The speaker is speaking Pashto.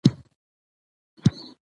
چې د شډل ښايست څښتنه پښتنه نه ده